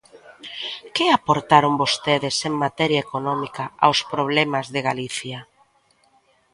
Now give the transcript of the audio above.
¿Que aportaron vostedes en materia económica aos problemas de Galicia?